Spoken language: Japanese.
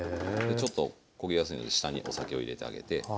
ちょっと焦げやすいので下にお酒を入れてあげて。